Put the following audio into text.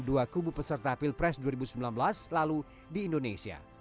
dua kubu peserta pilpres dua ribu sembilan belas lalu di indonesia